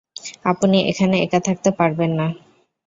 আপনি এখানে একা থাকতে পারবেন না।